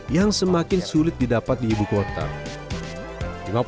yang semakin sulit didapat di ibu kota